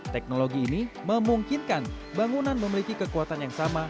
teknologi ini memungkinkan bangunan memiliki kekuatan yang sama